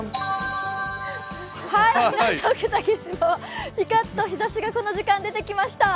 港区竹芝はぴかっと日ざしがこの時間、出てきました。